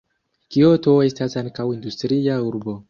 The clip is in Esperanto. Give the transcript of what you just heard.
Kioto estas ankaŭ industria urbo.